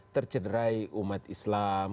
tercederai umat islam